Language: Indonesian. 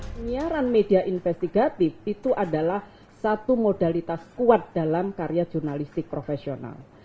penyiaran media investigatif itu adalah satu modalitas kuat dalam karya jurnalistik profesional